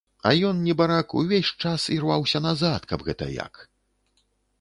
А ён, небарак, увесь час ірваўся назад каб гэта як.